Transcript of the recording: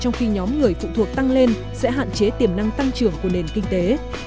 trong khi nhóm người phụ thuộc tăng lên sẽ hạn chế tiềm năng tăng trưởng của nền kinh tế